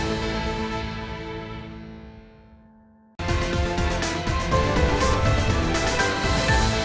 kesehatan yang bagus